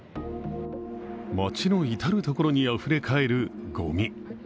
街の至る所にあふれ返るごみ。